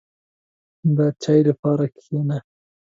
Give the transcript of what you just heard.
• د چای لپاره کښېنه.